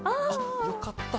よかった。